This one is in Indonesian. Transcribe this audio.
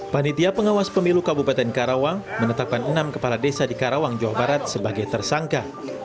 panitia pengawas pemilu kabupaten karawang menetapkan enam kepala desa di karawang jawa barat sebagai tersangka